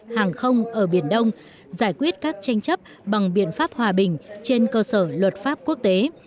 hàng không ở biển đông giải quyết các tranh chấp bằng biện pháp hòa bình trên cơ sở luật pháp quốc tế